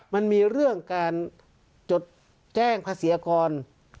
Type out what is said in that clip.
มันมีเรื่องการจดแจ้งภาษีกร